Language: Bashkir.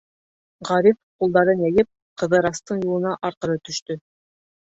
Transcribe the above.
Ғариф ҡулдарын йәйеп, Ҡыҙырастың юлына арҡыры төштө.